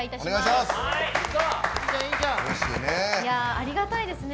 ありがたいですね